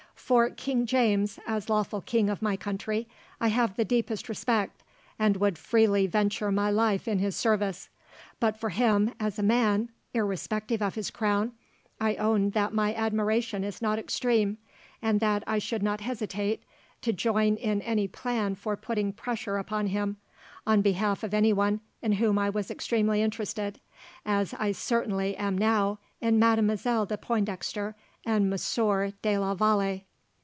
For King James, as lawful king of my country, I have the deepest respect, and would freely venture my life in his service; but for him as a man, irrespective of his crown, I own that my admiration is not extreme, and that I should not hesitate to join in any plan for putting pressure upon him, on behalf of anyone in whom I was extremely interested, as I certainly am now in Mademoiselle de Pointdexter and Monsieur de la Vallee."